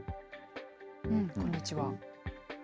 こんにちは。